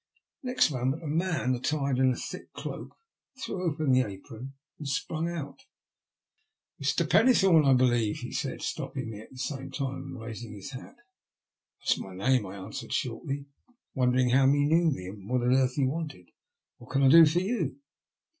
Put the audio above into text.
Next moment a man attired in a thick cloak threw open the apron and sprang out. B 50 THE LUST OF HATE. ''Mr. Pennethorne, I believe?" he said, stopping me, and at the same time raising his hat. *' That is my name/' I answered shortly, wondering how he knew me and what on earth he wanted. ," What can I do for you?